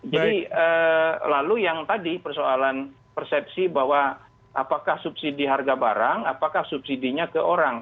jadi lalu yang tadi persoalan persepsi bahwa apakah subsidi harga barang apakah subsidinya ke orang